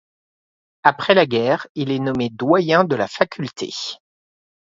Après la guerre, il est nommé doyen de la faculté.